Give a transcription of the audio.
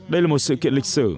đây là một sự kiện lịch sử